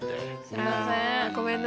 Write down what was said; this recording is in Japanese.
すいません。